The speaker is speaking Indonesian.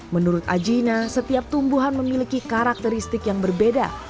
menurut ajina setiap tumbuhan memiliki karakteristik yang berbeda